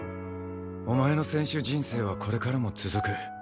お前の選手人生はこれからも続く。